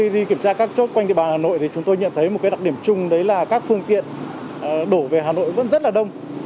đổ về hà nội vẫn rất là đông